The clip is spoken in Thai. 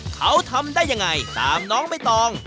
เขาทำได้อย่างไรตามน้องไม่ต้อง